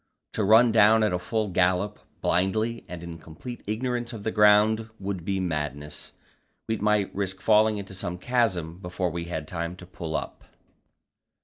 To run down at full gallop, blindly and in complete ignorance of the ground, would be madness. We might risk falling into some chasm before we had time to pull up.